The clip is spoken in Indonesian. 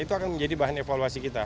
itu akan menjadi bahan evaluasi kita